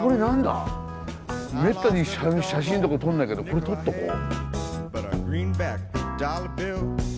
めったに写真とか撮んないけどこれ撮っとこう。